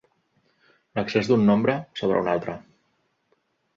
L'excés d'un nombre sobre un altre.